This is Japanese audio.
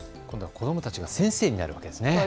今度は子どもたちが先生になるわけですね。